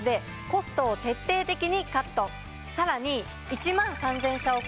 さらに。